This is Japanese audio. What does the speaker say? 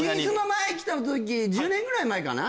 前来た時１０年ぐらい前かな？